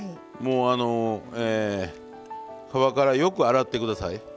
もう皮からよく洗って下さい。